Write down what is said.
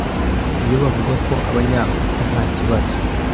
iyo bavuga ko abanyafurika ntakibazo